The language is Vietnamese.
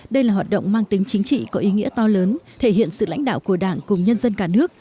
đây là hoạt động mang tính chính trị có ý nghĩa to lớn thể hiện sự lãnh đạo của đảng cùng nhân dân cả nước